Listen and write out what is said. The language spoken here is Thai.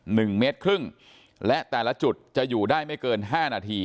หนึ่งเมตรครึ่งและแต่ละจุดจะอยู่ได้ไม่เกินห้านาที